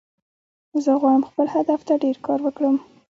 زه غواړم خپل هدف ته ډیر کار وکړم